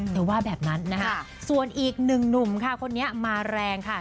ว่าแบบนั้นนะคะส่วนอีกหนึ่งหนุ่มค่ะคนนี้มาแรงค่ะ